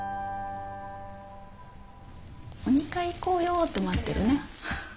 「お二階行こうよ」って待ってるね。